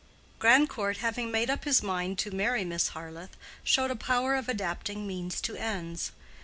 Grandcourt having made up his mind to marry Miss Harleth, showed a power of adapting means to ends.